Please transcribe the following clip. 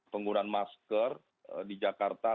penggunaan masker di jakarta